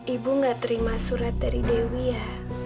ibu gak terima surat dari dewi ya